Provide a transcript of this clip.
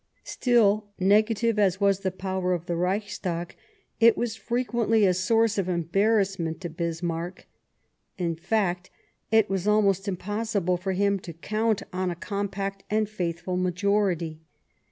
Still, negative as was the power of the Reichstag, it was frequently a source of embarrassment to Bismarck ; in fact, it was almost impossible for him to count on a compact and faithful majority.